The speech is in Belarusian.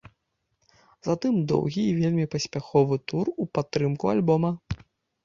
Затым доўгі і вельмі паспяховы тур у падтрымку альбома.